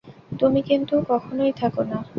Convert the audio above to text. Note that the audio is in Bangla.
কিন্তু তুমি কখনোই থাকো না।